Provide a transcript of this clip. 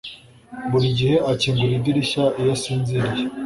Buri gihe akingura idirishya iyo asinziriye